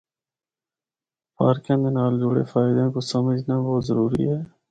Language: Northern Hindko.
پارکاں دے نال جڑے فائدیاں کو سمجھنا بہت ضروری ہے۔